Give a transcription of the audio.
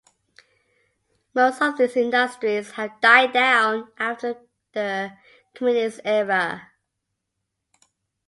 Most of these industries have died down after the Communist era.